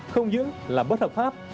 không những là bất hợp pháp